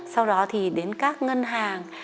sau đó thì đến các ngân hàng